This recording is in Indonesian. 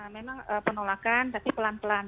memang penolakan tapi pelan pelan